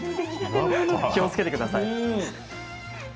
気をつけてください。